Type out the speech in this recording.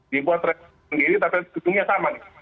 dibuat secara sendiri tapi hubungannya sama